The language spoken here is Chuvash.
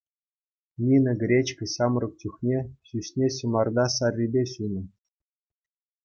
Нина Гречко ҫамрӑк чухне ҫӳҫне ҫӑмарта саррипе ҫунӑ.